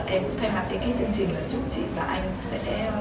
em thay mặt cái chương trình là chúc chị và anh sẽ